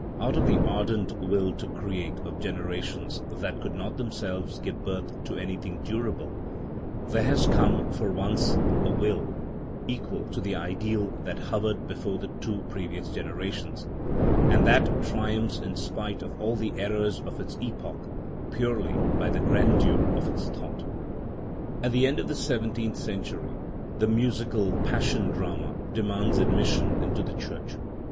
Out of the ardent will to create of generations that could not themselves give birth to anything durable, there has come for once a will equal to the ideal that hovered before the two previous generations, and that triumphs in spite of all the errors of its epoch, purely by the grandeur of its thought. At the end of the seventeenth century the musical Pas sion drama demands admission into the church.